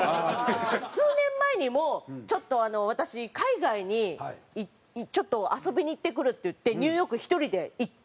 数年前にもちょっと「私海外にちょっと遊びに行ってくる」って言ってニューヨーク１人で行って。